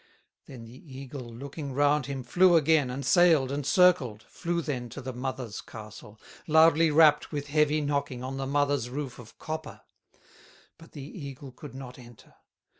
"Then the eagle, looking round him, Flew again, and sailed, and circled, Flew then to the mothers' castle, Loudly rapped with heavy knocking On the mothers' roof of copper; But the eagle could not enter.